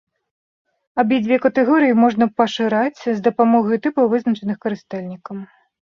Абедзве катэгорыі можна пашыраць з дапамогаю тыпаў, вызначаных карыстальнікам.